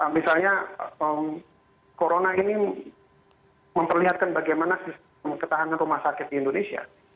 misalnya corona ini memperlihatkan bagaimana sistem ketahanan rumah sakit di indonesia